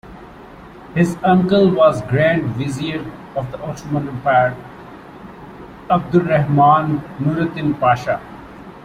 His uncle was Grand Vizier of the Ottoman Empire, Abdurrahman Nurettin Pasha.